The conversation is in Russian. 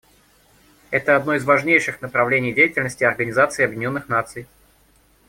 Это одно из важнейших направлений деятельности Организации Объединенных Наций.